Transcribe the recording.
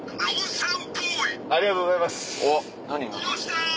ありがとうございます。